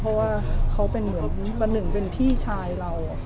เพราะว่าเขาเป็นเหมือนประหนึ่งเป็นพี่ชายเรา